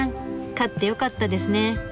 勝ってよかったですね！